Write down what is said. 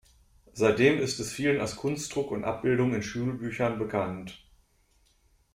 Seitdem ist es vielen als Kunstdruck und Abbildung in Schulbüchern bekannt.